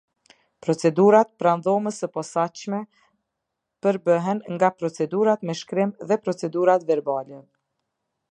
Procedurat pranë Dhomës së Posaçme përbëhen nga procedurat me shkrim dhe procedurat verbale.